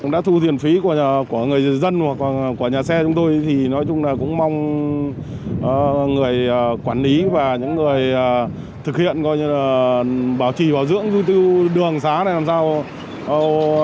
đã thu tiền phí của người dân hoặc của nhà xe chúng tôi thì nói chung là cũng mong người quản lý và những người thực hiện gọi như là bảo trì bảo dưỡng du tư đường xá này làm sao